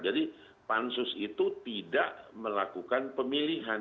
jadi pansus itu tidak melakukan pemilihan